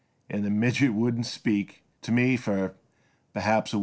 An' the midget wouldn't speak T' me fer, perhaps, a week.